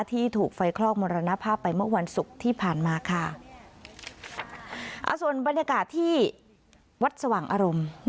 ที่ถูกไฟคลอกมรณภาพไปเมื่อวันศุกร์ที่ผ่านมาค่ะอ่าส่วนบรรยากาศที่วัดสว่างอารมณ์